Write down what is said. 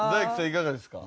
いかがですか？